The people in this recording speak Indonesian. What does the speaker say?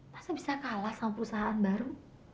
pasti bisa kalah sama perusahaan baru